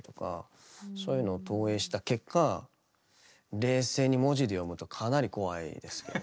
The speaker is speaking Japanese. そういうのを投影した結果冷静に文字で読むとかなり怖いですよね。